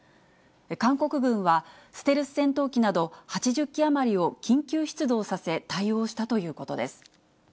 韓国軍は、ステルス戦闘機など８０機余りを緊急出動させ、対応したということです。